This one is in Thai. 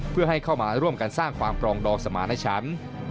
เพื่อให้เข้ามาร่วมกันสร้างความปรองดองสมาณชั้น